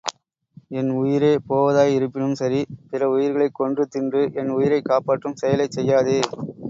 உன் உயிரே போவதாய் இருப்பினும் சரி, பிற உயிர்களை கொன்று தின்று உன் உயிரைக் காப்பாற்றும் செயலைச் செய்யாதே.